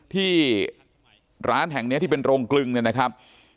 ที่ร้านแห่งนี้ที่เป็นโรงกลึงเนี่ยนะครับ